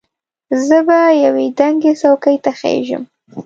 زه به یوې دنګې څوکې ته خېژم.